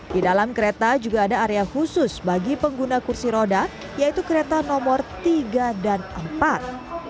di dalam kereta juga ada area khusus bagi pengguna kursi roda yaitu kereta nomor tiga dan empat